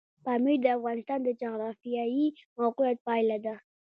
پامیر د افغانستان د جغرافیایي موقیعت پایله ده.